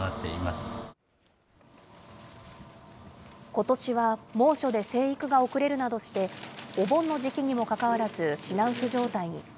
ことしは猛暑で生育が遅れるなどして、お盆の時期にもかかわらず、品薄状態に。